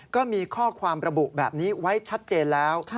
ก็มีข้อความระบุแบบนี้ไว้ชัดเจนแล้ว